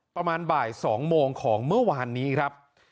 ประมาณบ่าย๒โมงของเมื่อวานนี้ครับ